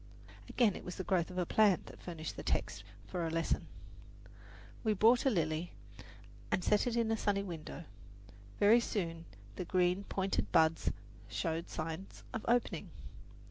Again, it was the growth of a plant that furnished the text for a lesson. We bought a lily and set it in a sunny window. Very soon the green, pointed buds showed signs of opening.